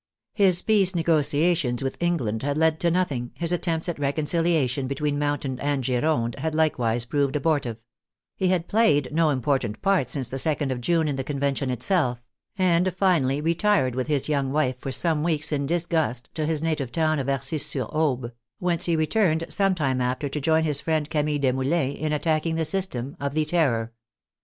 His peace negotiations with England had led to nothing, his attempts at recon ciliation between Mountain and Gironde had likewise proved abortive; he had played no important part since the 2d of June in the Convention itself, and finally re tired with his young wife for some weeks in disgust to his native town of Arcis sur Aube, whence he returned some time after to join his friend Camille Desmoulins in at tacking the system of the Terror.